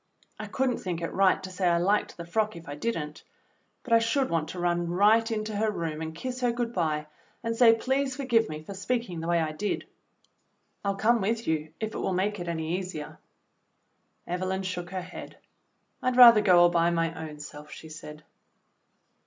I could n't think it right to say I liked the frock if I did n't, but I should want to run right into her room and kiss her good bye, and say, 'Please forgive me for speaking the way I did.' I'll come with you if it will make it any easier." Evelyn shook her head. "I'd rather go all by my own self," she said.